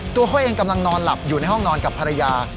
ตัวเขาเองกำลังนอนหลับอยู่ในห้องนอนกับภรรยา